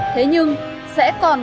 thế nhưng sẽ còn